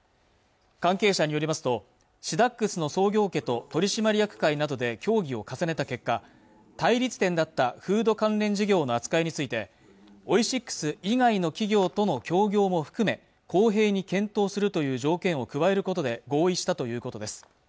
関係者によりますとシダックスの創業家と取締役会などで協議を重ねた結果対立点だったフード関連事業の扱いについてオイシックス以外の企業との協業も含め公平に検討するという条件を加えることで合意したということです